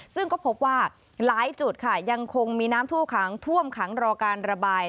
ซึ่งก็พบว่าหลายจุดค่ะยังคงมีน้ำท่วมขังท่วมขังรอการระบาย